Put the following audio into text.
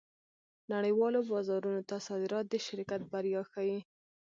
نړۍوالو بازارونو ته صادرات د شرکت بریا ښيي.